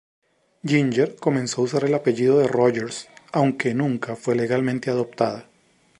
Ginger comenzó a usar el apellido de Rogers, aunque nunca fue legalmente adoptada.